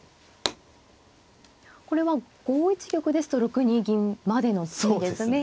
これは５一玉ですと６二銀までの詰みですね。